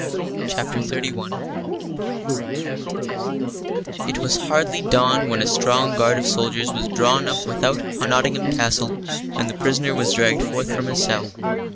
CHAPTER XXXI It was hardly dawn when a strong guard of soldiers was drawn up without Nottingham Castle, and the prisoner was dragged forth from his cell.